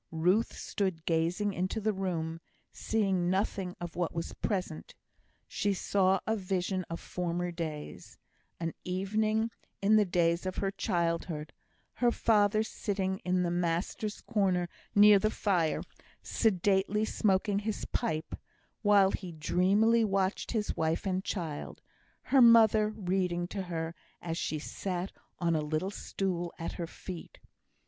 Ruth stood gazing into the room, seeing nothing of what was present. She saw a vision of former days an evening in the days of her childhood; her father sitting in the "master's corner" near the fire, sedately smoking his pipe, while he dreamily watched his wife and child; her mother reading to her, as she sat on a little stool at her feet.